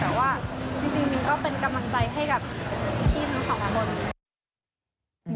แต่ว่าจริงมิ้นต์ก็เป็นกำลังใจให้กับพี่มันสำหรับมนต์